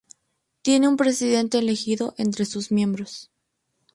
Tiene un Presidente elegido entre sus miembros.